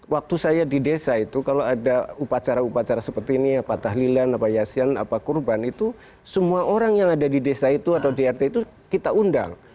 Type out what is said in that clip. waktu saya di desa itu kalau ada upacara upacara seperti ini apa tahlilan apa yasin apa kurban itu semua orang yang ada di desa itu atau di rt itu kita undang